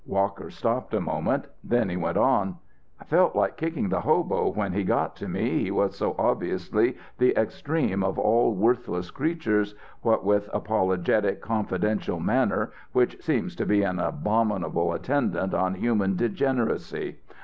Walker stopped a moment. Then he went on: "I felt like kicking the hobo when he got to me, he was so obviously the extreme of all worthless creatures, with that apologetic, confidential manner which seems to be an abominable attendant on human degeneracy.